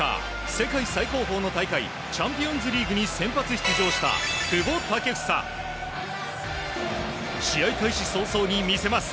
世界最高峰の大会チャンピオンズリーグに先発出場した久保建英。試合開始早々に見せます。